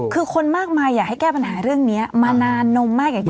คือคนมากมายอยากให้แก้ปัญหาเรื่องนี้มานานนมมากอย่างที่